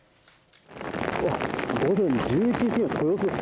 午前１１時過ぎの豊洲です。